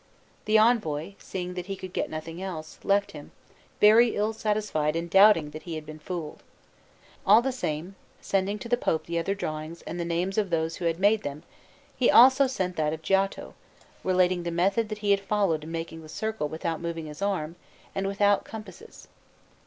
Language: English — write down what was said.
The envoy, seeing that he could get nothing else, left him, very ill satisfied and doubting that he had been fooled. All the same, sending to the Pope the other drawings and the names of those who had made them, he also sent that of Giotto, relating the method that he had followed in making his circle without moving his arm and without compasses.